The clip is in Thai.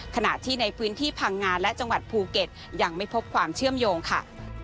ขณะที่ในพื้นที่พังงาและจังหวัดภูเก็ตยังไม่พบความเชื่อมโยงค่ะ